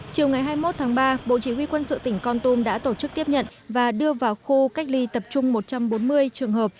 chiều ngày hai mươi một tháng ba bộ chỉ huy quân sự tỉnh con tum đã tổ chức tiếp nhận và đưa vào khu cách ly tập trung một trăm bốn mươi trường hợp